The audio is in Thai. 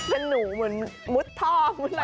เป็นหนูเหมือนมุดทอง